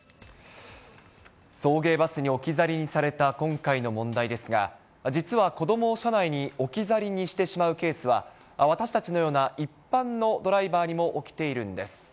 送迎バスに置き去りにされた今回の問題ですが、実は子どもを車内に置き去りにしてしまうケースは、私たちのような一般のドライバーにも起きているんです。